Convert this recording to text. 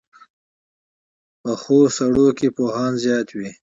پخو سړو کې پوهه زیاته وي